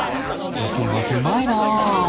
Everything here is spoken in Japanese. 世間は狭いな